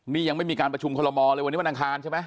นี่ยังไม่มีการประชุมคอลโมเลยวันนี้วันอังคารใช่ไหม